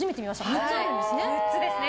６つなんですね。